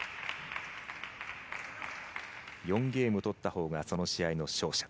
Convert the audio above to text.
４ゲーム取ったほうがその試合の勝者。